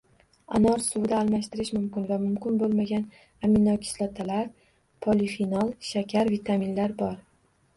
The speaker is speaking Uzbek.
Anor suvida almashtirish mumkin va mumkin bo‘lmagan aminokislotalar, polifenol, shakar, vitaminlar bor.